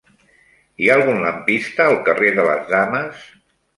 Hi ha algun lampista al carrer de les Dames?